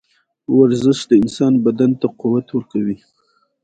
ازادي راډیو د چاپیریال ساتنه په اړه د اقتصادي اغېزو ارزونه کړې.